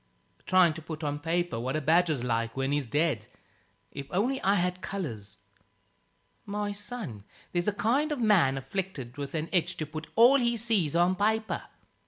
"Trying to put on paper what a badger's like when he's dead. If only I had colours " "My son, there's a kind of man afflicted with an itch to put all he sees on paper.